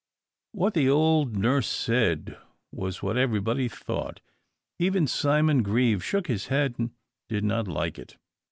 What the old nurse said was what everybody thought. Even Simon Grieve shook his head, and did not like it.